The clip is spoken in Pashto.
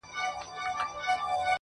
اوس جهاني لکه یتیم په ژړا پوخ یمه نور٫